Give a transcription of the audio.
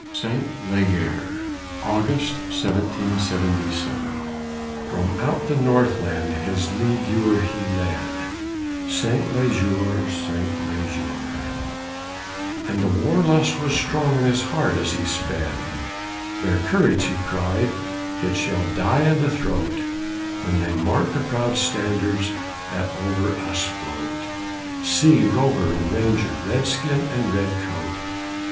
SAINT LEGER [August, 1777] From out of the North land his leaguer he led, Saint Leger, Saint Leger; And the war lust was strong in his heart as he sped; Their courage, he cried, _it shall die i' the throat When they mark the proud standards that over us float See rover and ranger, redskin and redcoat_!